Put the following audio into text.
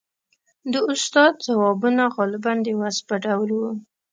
• د استاد ځوابونه غالباً د وعظ په ډول وو.